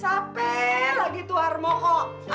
saper lagi tuh harmoko